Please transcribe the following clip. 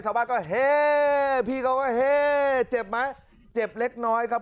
ชาวบ้านก็เฮ่พี่เขาก็เฮ่เจ็บไหมเจ็บเล็กน้อยครับ